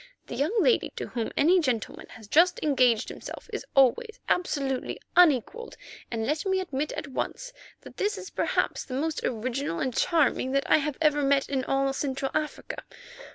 "The young lady to whom any gentleman has just engaged himself is always absolutely unequalled, and, let me admit at once that this is perhaps the most original and charming that I have ever met in all Central Africa.